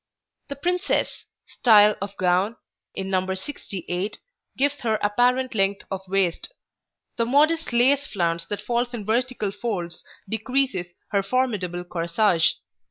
The princesse style of gown, in No. 68, gives her apparent length of waist. The modest lace flounce that falls in vertical folds decreases her formidable corsage.